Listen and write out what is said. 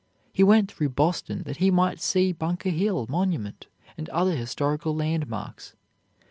He went through Boston that he might see Bunker Hill monument and other historical landmarks.